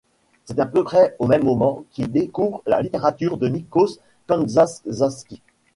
C'est à peu près au même moment qu'il découvre la littérature de Níkos Kazantzákis.